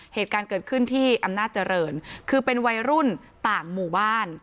เหตุการณ์เกิดขึ้นที่อำนาจเจริญคือเป็นวัยรุ่นต่างหมู่บ้าน